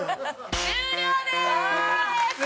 終了です！